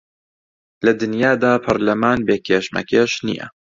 لە دنیادا پەرلەمان بێ کێشمەکێش نییە